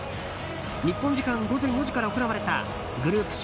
日本時間午前４時から行われたグループＣ